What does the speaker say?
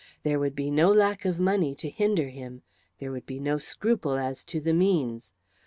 There would be no lack of money to hinder him; there would be no scruple as to the means.